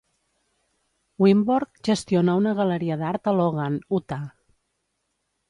Winborg gestiona una galeria d'Art a Logan, Utah.